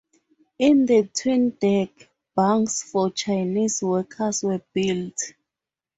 In the 'tween deck, bunks for Chinese workers were built.